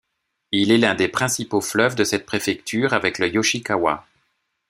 Il est l'un des principaux fleuves de cette préfecture avec le Yoshii-kawa.